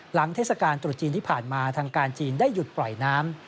เทศกาลตรุษจีนที่ผ่านมาทางการจีนได้หยุดปล่อยน้ำ